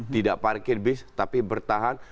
tidak parkir bis tapi bertahan